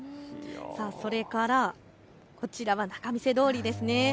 それから、こちらは仲見世通りですね。